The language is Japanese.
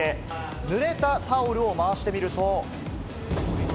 ぬれたタオルを回してみると。